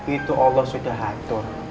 itu allah sudah atur